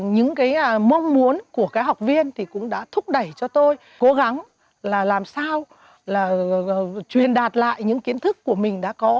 những cái mong muốn của các học viên thì cũng đã thúc đẩy cho tôi cố gắng là làm sao là truyền đạt lại những kiến thức của mình đã có